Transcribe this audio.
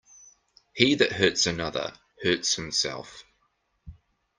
He that hurts another, hurts himself.